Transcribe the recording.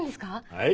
はい。